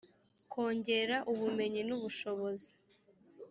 kongera ubumenyi n ubushobozi